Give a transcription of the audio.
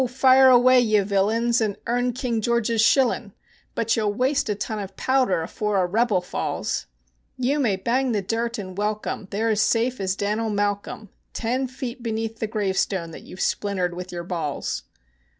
fire away, ye villains, and earn King George's shillin's, But ye 'll waste a ton of powder afore a 'rebel' falls; You may bang the dirt and welcome, they're as safe as Dan'l Malcolm Ten foot beneath the gravestone that you've splintered with your balls!"